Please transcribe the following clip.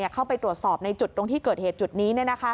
เข้าไปตรวจสอบในจุดตรงที่เกิดเหตุจุดนี้